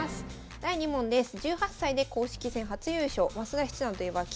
第２問です。え？